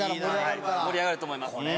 盛り上がると思います。